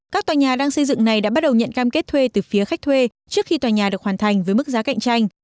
các tòa nhà đang xây dựng này đã bắt đầu nhận cam kết thuê từ phía khách thuê trước khi tòa nhà được hoàn thành với mức giá cạnh tranh